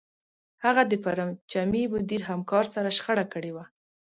هغه د پرچمي مدیر همکار سره شخړه کړې وه